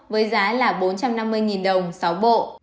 với giá là bốn trăm năm mươi đồng sáu bộ